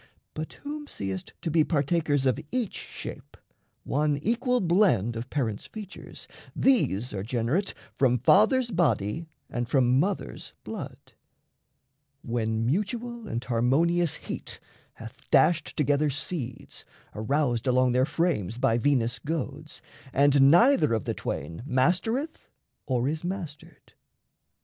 But whom seest to be Partakers of each shape, one equal blend Of parents' features, these are generate From fathers' body and from mothers' blood, When mutual and harmonious heat hath dashed Together seeds, aroused along their frames By Venus' goads, and neither of the twain Mastereth or is mastered.